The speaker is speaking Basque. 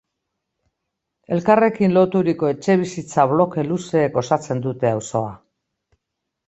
Elkarrekin loturiko etxebizitza bloke luzeek osatzen dute auzoa.